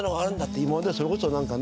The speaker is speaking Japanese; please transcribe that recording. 今までそれこそなんかね